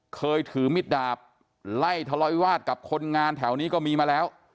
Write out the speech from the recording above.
เคยถือมิดดาบไล่ทะเลาวิวาสกับคนงานแถวนี้ก็มีมาแล้ว